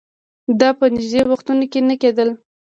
دا په نژدې وختونو کې نه کېدل